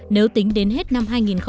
nếu tính đến hết năm hai nghìn một mươi tám